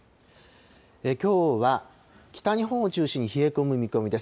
きょうは北日本を中心に冷え込む見込みです。